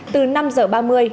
từ năm giờ ba mươi